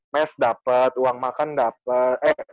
mes dapet uang makan dapet